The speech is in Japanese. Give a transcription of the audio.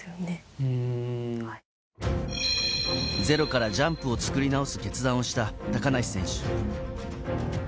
ゼロからジャンプを作り直す決断をした高梨選手。